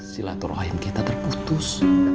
silaturahim kita terputus